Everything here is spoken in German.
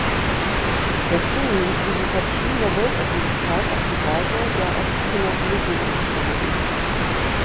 Der Film ließ die Sympathien der Weltöffentlichkeit auf die Seite der Osttimoresen umschwenken.